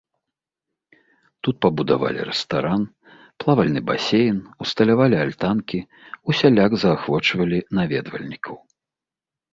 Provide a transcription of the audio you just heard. Тут пабудавалі рэстаран, плавальны басейн, усталявалі альтанкі, усяляк заахвочвалі наведвальнікаў.